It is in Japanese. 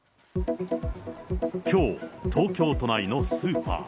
きょう、東京都内のスーパー。